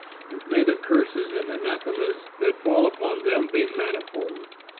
and may the curses and anathemas [hat fall upon them be manifold.